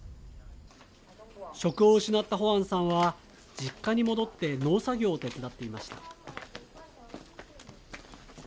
職を失ったホアンさんは実家に戻って農作業を手伝っていました。